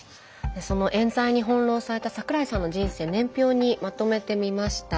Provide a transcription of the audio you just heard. そのえん罪に翻弄された桜井さんの人生年表にまとめてみました。